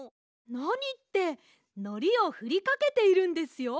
なにってのりをふりかけているんですよ。